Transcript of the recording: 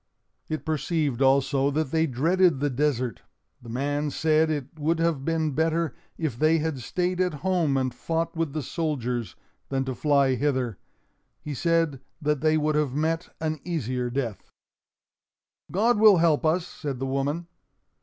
It perceived also that they dreaded the desert. The man said it would have been better if they had stayed at home and fought with the soldiers, than to fly hither. He said that they would have met an easier death. "God will help us," said the woman.